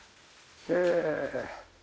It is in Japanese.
へえ。